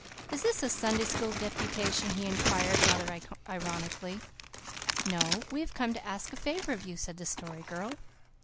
"Is this a Sunday School deputation?" he inquired rather ironically. "No. We have come to ask a favour of you," said the Story Girl.